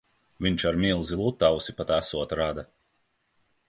Viņš ar milzi Lutausi pat esot rada.